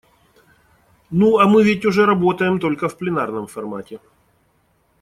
Ну а мы ведь уже работаем только в пленарном формате.